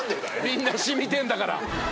みんな染みてんだから。